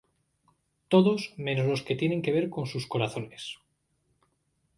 Todos, menos los que tienen que ver con sus corazones.